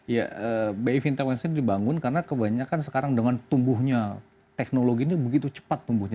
ya bi fintewens ini dibangun karena kebanyakan sekarang dengan tumbuhnya teknologi ini begitu cepat tumbuhnya